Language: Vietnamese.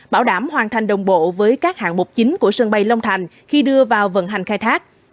bảo đảm hoàn thành đồng bộ với các hạng mục chính của sân bay long thành khi đưa vào vận hành khai thác